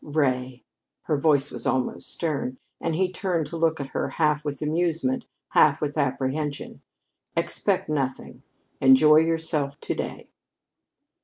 "Ray!" Her voice was almost stern, and he turned to look at her half with amusement, half with apprehension. "Expect nothing. Enjoy yourself to day."